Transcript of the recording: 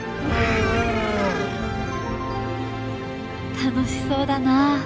楽しそうだなあ。